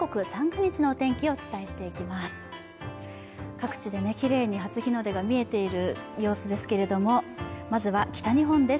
各地できれいに初日の出が見えている様子ですけれども、まずは北日本です。